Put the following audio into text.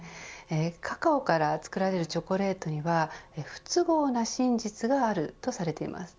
カカオから作られるチョコレートには不都合な真実があるとされています。